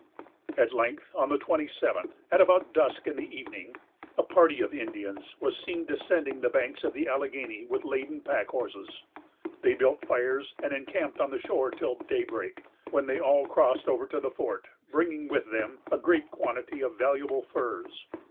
At length, on the twenty seventh, at about dusk in the evening, a party of Indians was seen descending the banks of the Alleghany, with laden pack horses. They built fires, and encamped on the shore till daybreak, when they all crossed over to the fort, bringing with them a great quantity of valuable furs.